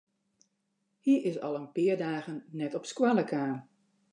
Hy is al in pear dagen net op skoalle kaam.